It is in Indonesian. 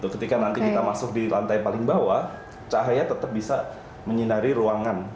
ketika nanti kita masuk di lantai paling bawah cahaya tetap bisa menyinari ruangan